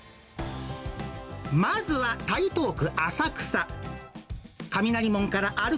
まずは台東区浅草。